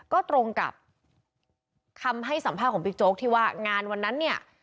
ก็ตรงกับคำให้สัมภาษณ์ของบิ๊กโจ๊กที่ว่างานวันนั้นเนี่ย